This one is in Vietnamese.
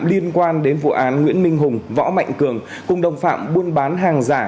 liên quan đến vụ án nguyễn minh hùng võ mạnh cường cùng đồng phạm buôn bán hàng giả